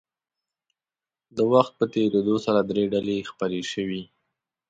د وخت په تېرېدو سره درې ډلې خپرې شوې.